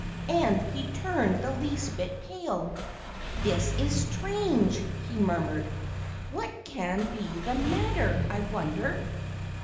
And he turned the least bit pale. "This is strange!" he murmured. "What can be the matter, I wonder!"